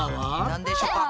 なんでしょうか？